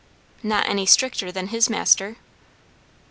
"Not any stricter than his Master."